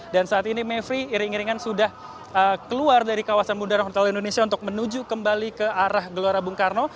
dan saat ini mayfrey iring iringan sudah keluar dari kawasan bunda rokodala indonesia untuk menuju kembali ke arah gelora bung karno